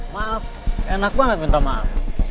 maaf enak banget minta maaf